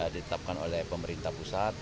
ditetapkan oleh pemerintah pusat